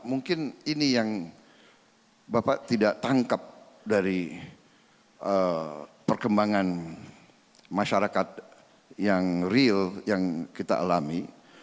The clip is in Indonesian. mungkin ini yang bapak tidak tangkap dari perkembangan masyarakat yang real yang kita alami